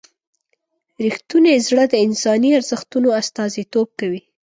رښتونی زړه د انساني ارزښتونو استازیتوب کوي.